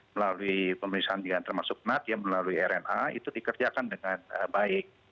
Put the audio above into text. melalui pemelisahan dengan termasuk nat ya melalui rna itu dikerjakan dengan baik